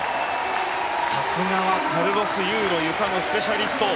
さすがはカルロス・ユーロゆかのスペシャリスト。